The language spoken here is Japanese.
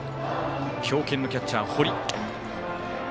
強肩のキャッチャー、堀。